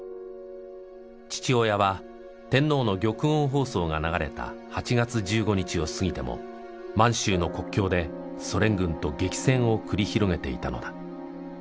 父親は天皇の玉音放送が流れた８月１５日を過ぎても満州の国境でソ連軍と激戦を繰り広げていたのだ。